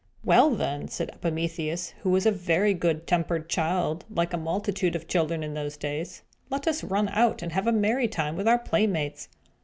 "Well, then," said Epimetheus, who was a very good tempered child, like a multitude of children in those days, "let us run out and have a merry time with our playmates."